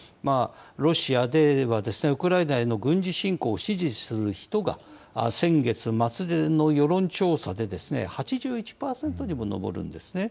ロシアではウクライナへの軍事侵攻を支持する人が、先月末の世論調査で８１％にも上るんですね。